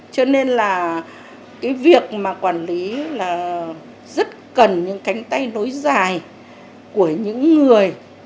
cho nên là cái việc mà quản lý là rất cần những cánh tay nối dài của những người